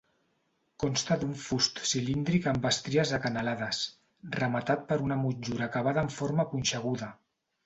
Consta d'un fust cilíndric amb estries acanalades, rematat per una motllura acabada en forma punxeguda.